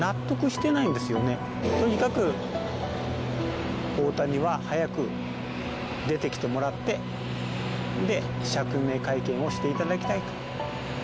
とにかく太田には早く出てきてもらってで釈明会見をしていただきたいと。